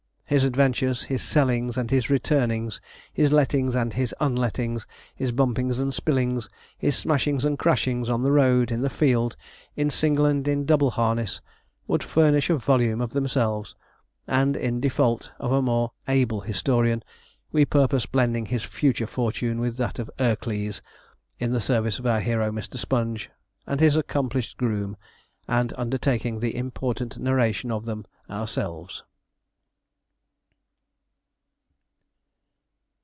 His adventures, his sellings and his returning, his lettings and his unlettings, his bumpings and spillings, his smashings and crashings, on the road, in the field, in single and in double harness, would furnish a volume of themselves; and in default of a more able historian, we purpose blending his future fortune with that of 'Ercles,' in the service of our hero Mr. Sponge, and his accomplished groom, and undertaking the important narration of them ourselves.